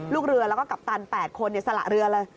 ลูกเรือแล้วก็กัปตัน๘คนสละเรือเลย